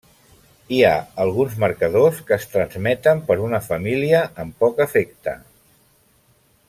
Hi ha alguns marcadors que es transmeten per una família amb poc efecte.